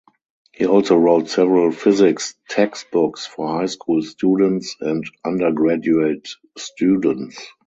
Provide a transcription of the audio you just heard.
He also wrote several physics textbooks for high school students and undergraduate students.